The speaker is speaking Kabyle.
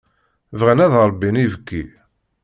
Bɣan ad ṛebbin ibekki.